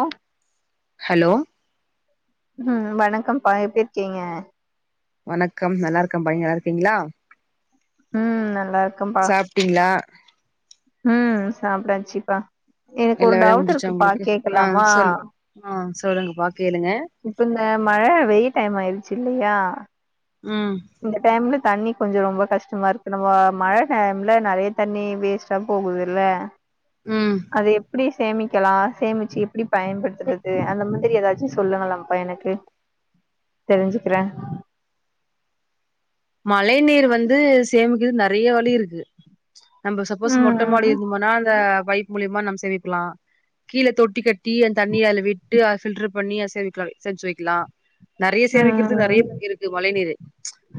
ஆ hello ம் வணக்கம்ப்பா எப்டி இருக்கீங்க வணக்கம் நல்லா இருக்கேன்பா நீங்க நல்லா இருக்கீங்களா ம் நல்லா இருக்கம்ப்பா ட்டிங்களா ம் சாப்டாச்சிப்பா எனக்கு ஒரு எல்லா வேலையு டவுட் முடிஞ்சிச்சா இருக்குப்பா உங்களுக்கு ஆ கேக்கலாமா சொல் ஆ சொல்லுங்கப்பா கேளுங்க இப்ப இந்த மழ வெய டைமு ஆயிடுச்சி இல்லையா ம் இந்த டைம்ல தண்ணி கொஞ்சோ ரொம்ப கஷ்டமா இருக்கு நம்ம மழ டைம்ல நறைய தண்ணி வேஸ்ட் டா போகுதுல்ல ம் அத எப்டி சேமிக்கலா சேமிச்சி எப்டி பயன்படுத்துறது அந்த மாரி ஏதாச்சு சொல்லுங்களப்பா எனக்கு தெரிஞ்சிக்கிற மழை நீர் வந்து சேமிக்கறதுக்கு நறைய வழி இருக்கு நம்ப சப்போஸ் ம் மொட்ட மாடி ம் இரது பண்ணா அந்த பைப் மூலியமா நம்ம சேமிக்கலா கீழ தொட்டி கட்டி அந்த தண்ணிய அதுல விட்டு அத ஃபில்டர் பண்ணி அத சேமிக்கலா சேமிச்சி வக்கலா நறைய ம் சேமிக்கிறதுக்கு ம் நறைய வழி இருக்கு மழை நீரு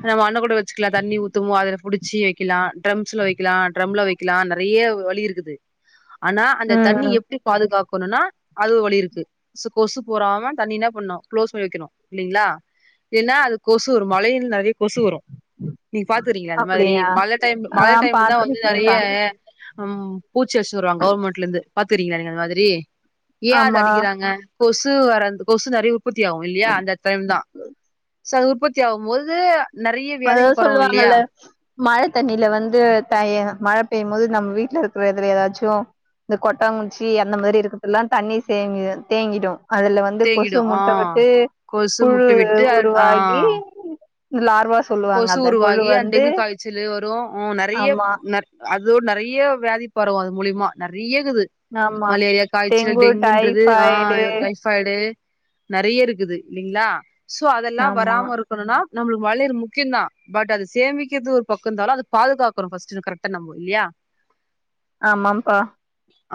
நம்ம அன்னகூட வச்சிக்கலா தண்ணி ஊத்துமோ அதுல புடிச்சி வக்கலா ட்ரம்ஸ்ல வக்கலா ட்ரம்ல வக் கலா நறைய வழி இருக்குது ஆனா அந்த ம் தண்ணி ம் எப்டி பாதுகாக்கனோனா அது வழி இருக்கு சு கொசு போறாம தண்ணி என்ன பண்ணனோ குளோஸ் பண்ணி வெக்கணு இல்லீங்களா ஏன்னா அது கொசு வரு மழை நீர்ல நறைய கொசு வரு நீங்க பாத்துறீங்களா அந்த மாரி அப்டியா மழ டைம் ஆ மழ டைம்ல தா வந்து நறைய பாத்திருக்கேன்ப்பா ம் பூச்சி அடிச்சினு வருவாங்க கவுர்மெண்ட்ல இருந்து பாத்துருக்கீங்களா நீங்க அந்த மாதிரி ஏன் அத ஆமா அடிக்கிறாங்க கொசு வரந் கொசு நறைய உற்பத்தி ஆகு இல்லையா அந்த டைம் தா சோ அது உற்பத்தி ஆகும்போது நறைய அதாவது வியாதிகள் பரவு இல்லையா சொல்லுவாங்கல்ல மழ தண்ணில வந்து தய மழ பெய்யும் போது நம்ம வீட்ல இருக்கற இதுல எதாச்சு இந்த கொட்டாங்குச்சி அந்த மாரி இருக்கறது எல்லா தண்ணி தேங்கி தேங்கிடு அதுல வந் வந்து கொசு தேங்கிடு ஆ முட்ட விட்டு கொசு புழு முட்ட விட்டு ஆ உருவாகி லார்வா சொல்லுவாங்க கொசு அத புழு உருவாகி ஆ வந்து டெங்கு காய்ச்சலு வரும் ஆ நறைய ஆமா ந அது நறைய வியாதிப் பரவும் அது மூலிமா நறையக்குது ஆமா மலேரியா காய்ச்சல் டெங்கு டெங்குன்றது ஆ டைஃபாய்டு [unintelligible] பைடே நறைய இருக்குது இல்லீங்களா சோ அதெல்லா ஆமா வராம இரு க்குணுன்னா நம்மளுக் மழை நீர் முக் கியோந்தா பட் அது சேமிக்கிறது ஒரு பக்கோ இந்தாலு அது பாதுகாக்கணு ஃபஸ்ட்டு கரெக்டா நம்போ இல்லையா ஆமாம்ப்பா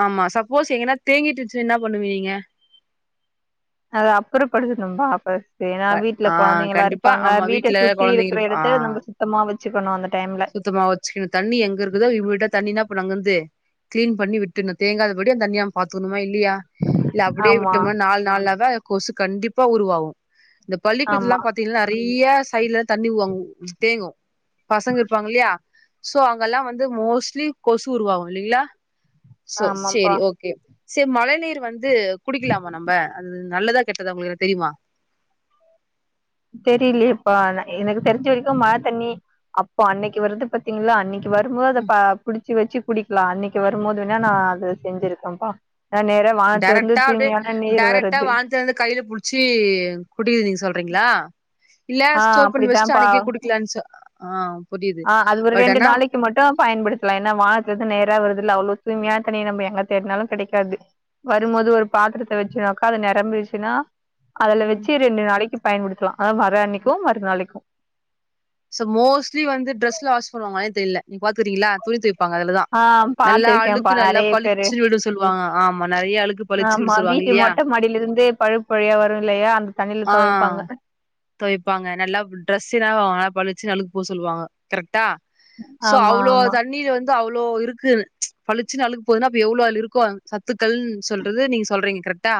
ஆமா சப்போஸ் எங்கன்னா தேங்கிட்டு இருச்சினா என்ன பண்ணுவீங்க அது அப்பறோ படுக்ணு வா படு ஏன்னா வீட்ல ஆ கொழந்தைங்கள்லா கண்டிப்பா இருப்பாங்க ஆமா வீட்ட வீட்ல சுத்தி கொழந்தைங்க இருக்கிற இருப் ஆ எடத்த நம்ம சுத்தமா வச்சிக்கணு அந்த டைம்ல சுத்தமா வச்சக்கணு தண்ணி எங்க இருக்குதோ இவிட்டா தண்ணி அப்பன்னோ அங்கந்து கிளீன் பண்ணி விட்டுர்ணு தேங்காதபடி அந்த தண்ணி ஏம்ம பாத்துக்கணுமா இல்லையா இல்ல அப்டியே ஆமா விட்டோமா நால் நால்லாக கொசு கண்டிப்பா உருவாகு இந்த பள்ளிக்கூடத்துல எல்லா ஆமா பாத்தீங்கன்னா நறைய சைடு்ல தண்ணிவுவாங்க தேங்கு பசங்க இருப்பாங்க இல்லியா சோ அங்கல்லா வந்து மோஸ்ட்லி கொசு உருவாகு இல்லீங்களா சோ ஆமாப்பா செரி ஓகே செரி மழை நீர் வந்து குடிக்கலாமா நம்ப அது நல்லதா கெட்டதா உங்களுக்குக்கு தெரியுமா தெரியலையேப்பா எனக்கு தெரிஞ்சு வரைக்கும் மழ தண்ணி அப்போ அன்னைக்கு வருது பாத்தீங்களா அன்னைக்கு வரும்போது அத ம் ப புடிச்சு வச்சு குடிக் இல்ல அன்னைக்கு வரும் போது வேன்னா நானன அது செஞ்சிருக்கேன்ப்பா நான் நேரா வானத்துல இருந்து டேரக்டா அப்டியா தூய்மையான நீர் டேரக்டா வருது வானத்துலந்து கையில புடிச் சி குடிக்கறதுக் நீங்க சொல்றீங்களா இல்ல ஆ ஸ்டோர் பண்ணி வெச்சுட்டு அப்படித்தான்ப்பா அன்னைக்கே குடிக்கலான்சா ஆ புரிது பட் ஆனா க்கு மட்டு பயன்படுத்தலா ஏனா வானத்துலிந்து நேரா வருது இல்ல அவ்ளோ தூய்மையான தண்ணி நம்ம எங்க தேடினாலு கெடைக்காது வரும்போது ஒரு பாத்திரத்த வெச்சு உக்காந்து நெரம்பிருச்சுன்னா அதுல ம் வெச்சு ரெண்டு நாளைக்கு பயன்படுத்தலா அதான் வர்ற அன்னைக்கு மறு நாளைக்கு சோ மோஸ்ட்லி வந்து டிரெஸ்ல வாஷ் பண்ணுவாங்களான்னே தெரில நீங்க பாத்திருக்கீங்ளா துணி தவைப்பாங்க அதுலதான் ஆ நல்லா அழுக்கு பாத்திருக்கேன்ப்பா நல்லா நெறைய பேரு பளிச்சுன்னு விட சொல்லுவாங்க ஆமா நெறையா அழுக்கு பளிச்சு விட ஆமா சொல்லுவாங்க வீட்டு இல்லையா மொட்ட மாடிலிருந்தே பழுப்பழியா வரு இல்லையா அந்த தண்ணில ஆ துவைப்பாங்க துவைப்பாங்க நல்லா ட்ரெஸ் எல்லா நல்லா பளிச்சுனு நல்லா அழுக்கு போ சொல்லுவாங்க கரெக்டா சோ ஆமா அவ்ளோ ஆமா தண்ணீல வந் து அவ்ளோ இருக்கு பழச்சுனு அழுகு போகுதுனா அப்ப எவ்ளோ அதுல இருக்கு சத்துகள்ன் சொல்றது நீங்க சொல்றீங்க கரெக்டா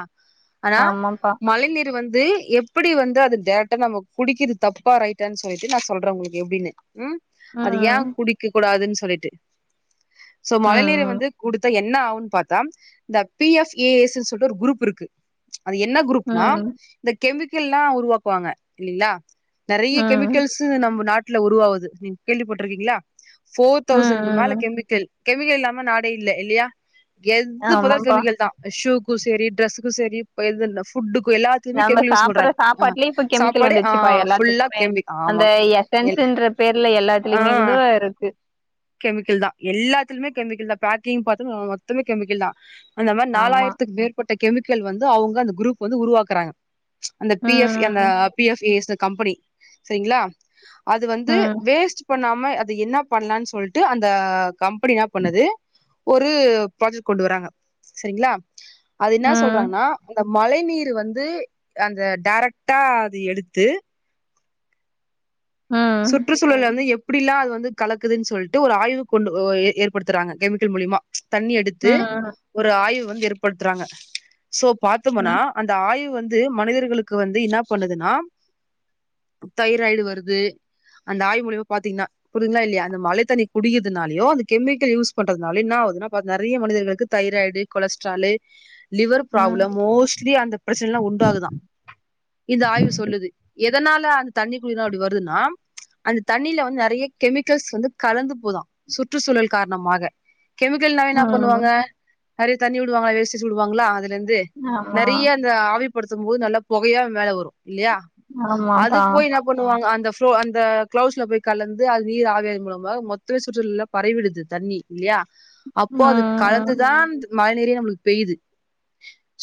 ஆனா ஆமாப்பா மழை நீீர் வந்து எ இப்டி வந்து அது டைரக்டா நம்ம குடிக்கறது தப்பா ரைட்டான்னு சொல்லிட்டு நா சொல்றன் உங்களுக்கு எப்டின்னு ம் அது ஏன் ம் குடிக்க கூடாதுன்னு சொல்லிட்டு சோ மழை நீீரை ம் வந்து குடுத்தா என்ன ஆகுன்னு பாத்தா இந்த பி எப் ஏ எஸ் சொல்ட்டு ஒரு குரூப் இருக்கு அது என்ன ம் குரூப்னா ம் இந்த கெமிக்கல் எல்லா உருவாக்குவாங்க இல்லைங்ளா நெறையா ம் கெமிக்கல்ஸ் நம்ம நாட்ல உருவாவ்து நீங்க கேள்விப்பட்டிருக்கீங்ளா ஃபோர் ம் தௌசண்க்கு மேல ம் கெமிக்கல் கெமிக்கல் இல்லாம நாடே இல்ல இல்லையா எது பாத்தாலு ஆமாப்பா கெமிக்கல்தா ஷூக்கு சேரி டிரெஸ்ஸுக்கு சேரி எது ஃபுட்டுக்கு எல்லா த்துக்குமே நம்ம கெமிக்கல் யூஸ் சாப்புட்ற பண்றாங்க அ சாப்பாட்லயே இப்ப கெமிக்கல் சாப்பாடே ஆ வந்துருச்சுப்பா ஃபுல்லா எல்லாத்துக்குமே கெமி அந்த எசன்ஸுன்ற பேர்ல எல்லாத்துலியுமே கூட இருக்கு கெமிக்கல்தா எல்லாத்துலியுமே கெமிக்கல்தான் பேக்கிங் பாத்தா மொத்தமே கெமிக்கல்தான் அந்த மாரி ஆமா நாலாயிரத்துக்கு மேற்பட்ட கெமிக்கல் வந்து அவுங்க அந்த குரூப் வந்து உருவாக்கறாங்க அந்த பி எஃப் அந்த ம் P F A S company சரிங்ளா அது வந்து ம் வேஸ்ட் பண்ணாம அத என்னா பண்லான் சொல்ட்டு அந்த கம்பெனி என்னா பண்ணுது ஒரு ப்ராஜெக்ட் கொண்டு வராங்க சரிங்ளா அது ம் என்னா ம் சொல்றாங்கன்னா அந்த மழை நீர் வந்து அந்த டைரக்டா அது எடுத்து ம் சுற்றுச்சூழல வந்து எ ப்டியெல்லா அது வந்து கலக்குதுன் சொல்ட்டு ஒரு ஆய்வு கொண்டு ஏற்படுத்தறாங்க கெமிக்கல் மூலிமா தண்ணி எடுத்து ம் ஒரு ஆய்வு வந்து ஏற்படுத்தறாங்க சோ பாத்தம்மன்னா அந்த ஆய்வு வந்து மனிதர்களுக்கு வந்து என்னா பண்ணுதுன்னா தைராய்டு வருது அந்த ஆய்வு மூலியமா பாத்தீங்னா புரிதுங்ளா இல்லையா அந்த மழை தண்ணி குக்கிறதுனாலயு அந்த கெமிக்கல் யூஸ் பண்றதுனாலயு என்னா ஆகுதுனா நெறைய மனிர்களுக்கு தைராய்டு கொலஸ்ட்ராலூ லிவர் ம் ப்ராப்ளம் மோஸ்ட்லி அந்த பிரச்சனை எல்லா உண்டாகுதுதான் இந்த ஆய்வு சொல்லுது எதனால அந்த தண்ணி குடிக்கறதுனால அப்டி வருதுன்னா அந்த தண்ணில வந்து நெறையா கெமிக்கல்ஸ் வந்து கலந்து போதா சுற்றுச்சூழல் காரணமாக கெமிக்கல்னாலே என்னா பண்ணுவாங்க ம் நெறையா தண்ணி விடுவாங்ளா வேஸ்டேஜ் விடுவாங்ளா அதுலிந்து ஆமா நெறையா அந்த ஆவிப்படுத்தும்போது நல்லா புகையா மேல வரு இல்லையா அது ஆமாப்பா போய் பண்ணுவாங்க அந்த அப்றோ அந்த க்ளவுஸ்ல போய் கலந்து அது நீர் ஆவியது மூலமா மொத்தமே சுற்றுல்ல பறவிடுது தண்ணி இல்லையா அப்போ ம் அது ம். கலந்துதான் மழை நீரே நம்மளுக்கு பெய்து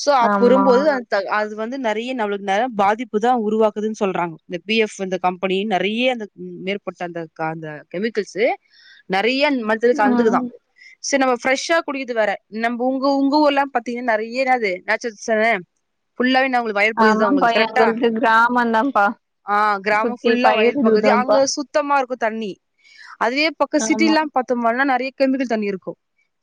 சோ ஆமா அப்புறம்போது த அது வந்து நெறையா நம்மளுக்கு நெ பாதிப்புதா உருவாக்குதுனு சொல்றாங்க இந்த பி எஃப் இந்த கம் பெனி நெறையா அந்த மேற்பட்ட அந்த அந்த கெமிக்கல்ஸு நெறையா மல் த்து கல்துகுதா ம் சரி நம்ம ஃபிரெஷ்ஷா குடிக்குது வேற நம்ம உங் உங்க ஊர் எல்லா பாத்தீங்கன்னா நெறைய என்னாது நெச்சரஸ் தான புல்லாவே என்ன உங்ளுக்கு வயல் பகுதிதா ஆமாப்பா உங்ளுக்கு கரெக்டா எங்கள்து கிராமம் தான்ப்பா ஆ கிராம சுத்தி ஃபுல்லா பயிர் வயல் பகுதி அங்க இதுதான்ப்பா சுத்தமா இருக்கு தண்ணி அதே பாக்க ஆமா சிட்டிலல்லா பா த்து மாரி நெறைய கெமிகில் தண்ணி இருக்கு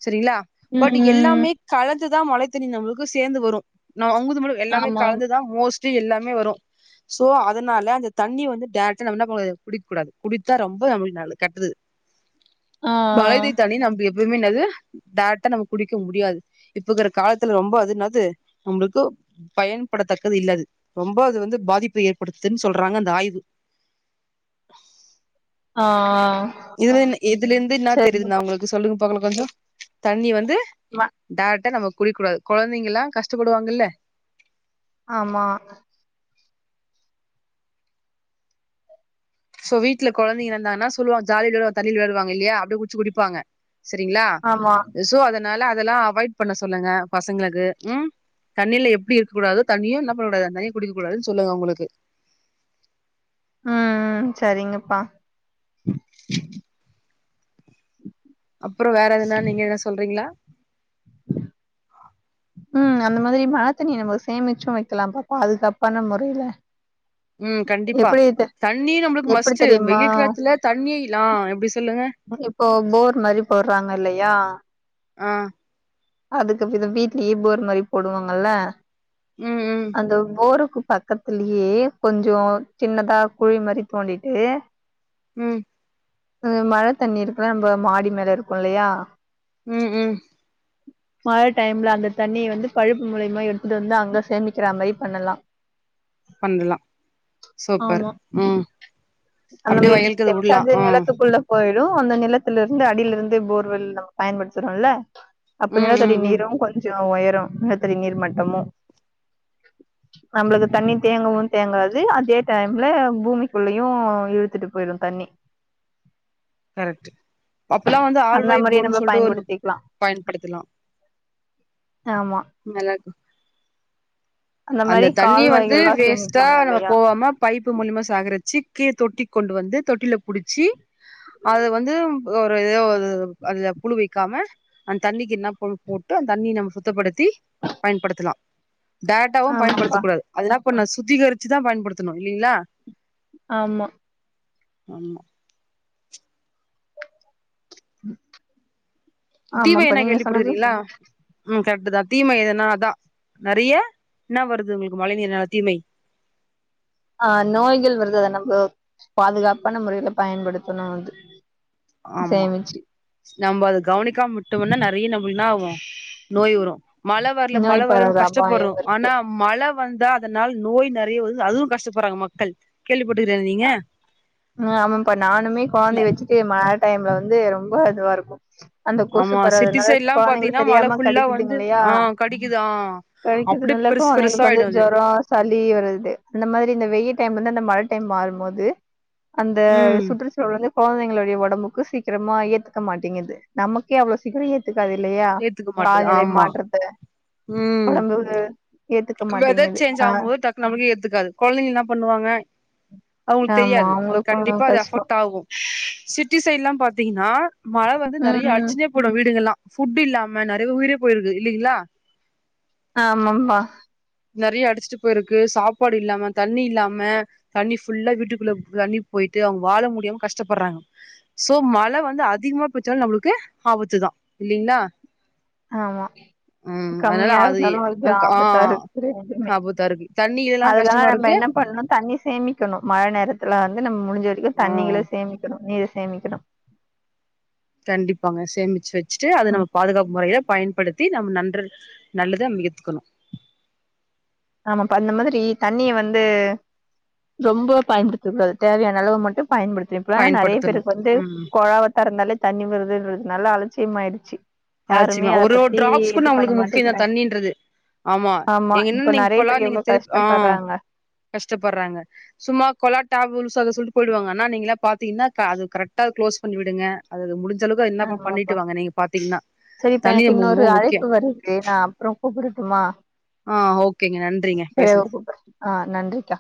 சரிங்களா பட் ம் எல்லாமே கலந்துதா மழை தண்ணி நம்மளுக்கு சேந்துவரு நம்ம உங்களுக்கு எல்லாமே ஆமா கலந்துதா மோஸ் த்து எல்லாமே வரு சோ அதனால அந்த தண்ணி வந்து டைரக்ட்டா என்ன பண்ண கூடாது குடிக்க கூடாது குடித்த ரொம்ப நம்லுகு நல்ல கெட்டுது ஆ மழதை தண்ணி நம்கு எப்பவுமே என்னது டேரக்டா நம்ம குடிக்க முடியாது இப்பக்கிற காலத்துல ரொம்ப அது என்னாது நம்மளுக்கு பயன்படத்தக்கது இல்லது ரொம்ப அது வந்து பாதிப்பு ஏற்படுத்துதுன்னு சொல்றாங்க அந்த ஆய்வு ஆ இதுல இதுல இருந்துன்னா தெரியுது நா சரிங்கப்பா உங்களுக்கு சொல்லுங்க பக்கால கொஞ்சோ தண்ணி வந்து ம டேரக்ட்டா நம்ம குடிக்கூடாது கொழந்தைங்கல்லா கஷ்டபடுவாங்கல்ல ஆமா சோ வீட்ல கொழந்தைங்க இருந்தாங்கன்ன சொல்லுவாங்க ஜாலில கிலில தண்ணில விளயாடுவாங்கில்லயா அப்டி புச்ச குடிப்பாங்க செரிங்களா ஆமா சோ அதனால அதெல்லா அவாய்ட் பண்ண சொல்லுங்க பசங்களுக்கு ம் தண்ணியில எப்படி இருக்கூடாது தண்ணில எப்டிஇருக்கூடாது தண்ணியு குடிக்ககூடாதுனு சொல்லுங்க அவுங்களுக்கு அ அ சரிங்கப்பா [inaudible] அப்றோ வேற எதுனா நீங்க எதன சொல்றீங்களா ம் அந்த மாதிரி மழை தண்ணிய நமக்கு சேமிச்சும் வைக்கலாப்பா பாதுகாப்பான முறையில ம் கண்டிப்பா எப்டி தெ தண்ணி நம்மளுக்கு எப்டி மஸ்ட் தெரியுமா வெயில் காலத்துல தண்ணி இல் ஆ இப்டி சொல்லுங்க இப்போ போர் மாரி போடறாங்க இல்லையா ஆ அதுக்குபினா விட்லியே போர் மாரி போடுவாங்கல்ல ம் ம் அந்த போருக்கு பக்கத்துலியே கொஞ்சோ சின்னதா குழி மாரி தோண்டிட்டு ம் ம் மழை தண்ணி இருக்குல நம்ம மாடி மேல இருக்கு இல்லையா ம் ம் மழ டைம்ல அந்த தண்ணி வந்து பழுப்பு மூலிமா எடுத்துட்டு வந்து அங்க சேமிக்கிற மாரி பண்ணலா பண்லா சூப்பர் ஆமா ம் அந்த அப்டியே மாரி வயலுக்கு சேமிச்சா விடலா அது ஆ நிலத்துக்குள்ள போயிடு அந்த நிலத்துல இருந்து அடில இருந்து போர்வெல் நம்ம பயன்படுத்தறோல்ல அப்ப ம் நிலத்தடி ம் ம் நீரு கொஞ்சோ உயரோ நிலத்தடி நீர் மட்டமு நம்ளுக்கு தண்ணி தேங்கவு தேங்காது அதே டைம்ல பூமிக்குள்ளயு இழுத்துட்டு போயிடு தண்ணி கரெக்ட் அப்பேல்லா வந்து அந்த ஆல்வாய் மாரி போருனு நம்ம சொல்ட்டு ஒன்னு பயன்படுத்திக்கலா பயன்படுத்தலா ஆமா மெளக் அந்த மாரி தண்ணி வந்து கால்வாய்கள்லா வேஸ்ட்டா சேமிப்பாங்க நம்ம இல்லையா போவாம பைப்பு முலியமா சாகரிச்சு கீழ தொட்டி கொண்டு வந்து தொட்டியில புடிச்சி அத வந்து எதோ ஒரு எதோ ஒரு அதுல புழு வைக்காம அந்த தண்ணிக்கு இன்னா பவுர்டு போட்டு அந்த தண்ணிய நம்ம சுத்தப்படுத்தி பயன்படுத்தலா டேரக்ட்டாவு ஆமாப்பா பயன்படுத்தக்கூடாது அது என்னா பண்ணு சுத்திகரிச்சுதா பயன்படுத்தணு இல்லிங்களா ஆமா ஆமா தீமை ஆமாப்பா என்ன நீங்க சொன்னது கேள்விப்பட்டுருகிங்களா ம் கரெக்ட் தா தீமை என்னா அதா நெறைய இன்ன வருது உங்களுக்கு மழை நீர்னால தீமை ஆ நோய்கள் வருது அத நம்ம பாதுகாப்பான முறையில பயன்படுத்தணு அது ஆமா சேமிச்சு நம்ம அத கவனிக்காம விட்டோனா நெறைய நம்மள் என்னாவு நோய் வரு மழ வர்ல மழ நோய் வர்லனு பரவுற கஷ்டப்பட்றோ அபாயம் இருக்கு ஆனா மழ வந்தா அதனால் நோய் நெறையா வருது அதுவு கஷ்டப்படுறாங்க மக்கள் கேள்விப்பட்ருகீங்களா நீங்க ம் ஆமாப்பா நானுமே கொழந்தைய வெச்சுட்டு மழ டைம்ல வந்து ரொம்ப இதுவா இருக்கு அந்த கொசு ஆமா [unintelligible] சிட்டி சைட்லா கொழந்தைங்கள பாத்தீங்கன்னா மழ தெரியாம ஃபுல்லா வந்து கடிக்குதுங்கல்லயா ஆ கடிக்குது ஆ அப்டியே கடிக்கிறதுனால பெருசு பெருசா கொழந்தைங்களுக்கு ஆயிடு வந்து அது ஜொரோ சளி வருது இந்த மாரி இந்த வெய்யி டைம்லந்து அந்த மழ டைம் மாறும்போது அந்த ம் சுற்று சூ ழல் வந்து கொழந்தைங்களுடைய ஒடம்புக்கு சீக்கிரமா ஏத்துக்க மாட்டேங்குது நமக்கே அவ்ளோ சீக்கிரோ ஏத்துக்காது இல்லயா ஏத்துக்க மாட்டது காலநிலை ஆமா மாற்றத்த ம் ஒடம்பு ஏத்துக்க மாட்டேங்குது ஆ நம்மளுக்கே ஏத்துக்காது கொழந்தைங்க என்ன பண்ணுவாங்க அவங்களுக்கு ஆமா தெரியாது அது அவங்களுக்கு கண்டிப்பா அது கஷ்டோ அஃபெக்ட் ஆகு சிட்டி சைட்ல்லா பாத்தீங்கன்னா மழ வந்து நெறையா ம் அடிச்சின்னே போய்ட்டு வீடுங்கெல்லா ஃபுட் இல்லாம நெறையா பேர் உயிரே போயிருக்கு இல்லிங்களா ஆமாம்மா நெறைய அடிச்சிட்டு போயிருக்கு சாப்பாடு இல்லாம தண்ணி இல்லாம தண்ணி ஃபுல்லா வீட்டுக்குள்ள தண்ணி போயிட்டு அவங்க வாழ முடியாம கஷ்டப்பட்றாங்க சோ மழ வந்து அதிகமா போச்சாலு நம்மளுக்கு ஆபத்து தா இல்லிங்ளா ஆமா கம்மியா இருந்தாலு அது ஆ ஆபத்தாருக்கு ரெண்டுமே [unintelligible] அதுனால கஷ்டமா நம்ம இருக்கு என்ன பண்ணு தண்ணி சேமிக்கணு மழ நேரத்துல வந்து நம்ம முடிஞ்ச வரைக்கு ஆ தண்ணிகள சேமிக்கணு நீர சேமிக்கணு கண்டிப்பாங்க சேமிச்சு வெச்சுட்டு அத நம்ம ம் பாதுகாப்பு முறையில பயன்படுத்தி நம்ம நன்றல் நல்லத நம்ம ஏத்துக்கணு ஆமாப்ப அந்த மாதிரி தண்ணிய வந்து ரொம்ப பயன்படுத்த கூடாது தேவையான அளவு மட்டு பயன்படுத்திகனு இப்பெல்லா நெறையா பயன்படுத்தணு பேருக்கு வந்து ம் கொழாவ தெரந்தாலே தண்ணி வருதுன்றதுனால அலட்சியமாயிடுச்சு யாருமே அலட்சியமா அத ஒரு ஒரு பத்தி டிராப்ஸ் கூட இது பண்ண நம்மளுக்கு முக்கியந்தா மாட்டேக்குறாங்க தண்ணின்றது ஆமா எங்க இப்ப என்னன்னு நீங்க நெறைய பேர் எவ்ளோ கஷ்டப்பட்றாங்க கஷ்டப்பட்றாங்க சும்மா [unintelligible] சொல்ல சொல்லிட்டு போயிடுவாங்க ஆனா நீங்க பாத்திங்கன்னா அது கரெக்டா குளோஸ் பண்ணி விடுங்க அததது முடிஞ்ச அளவுக்கு இன்னப்பா ஆமாப்பா பண்ணிட்டு வாங்க நீங்க பாத்தீங்கன்னா தண்ணி ரொம்போ முக்கியோ [unintelligible] அப்றோ கூப்டடுமா ஆ ஓகேங்க நன்றிங்க பேசுனது கூப்பிடுறே ஆ நன்றிக்கா